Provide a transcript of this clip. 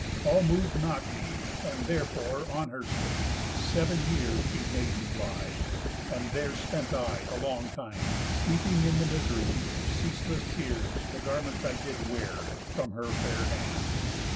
All mov'd not me, and therefore, on her stays, Sev'n years she made me lie; and there spent I The long time, steeping in the misery Of ceaseless tears the garments I did wear, From her fair hand.